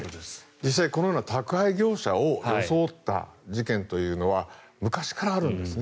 実際にこういう宅配業者を装った事件というのは昔からあるんですね。